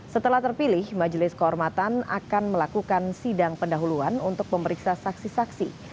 setelah terpilih majelis kehormatan akan melakukan sidang pendahuluan untuk memeriksa saksi saksi